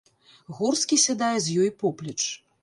Горскі сядае з ёй поплеч.